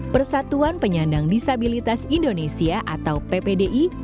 persatuan penyandang disabilitas indonesia atau ppdi